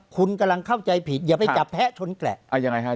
คุณกำลังเข้าใจผิดอย่าไปจับแพ้ชนแกะเอายังไงฮะ